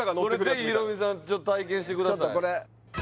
ぜひヒロミさん体験してください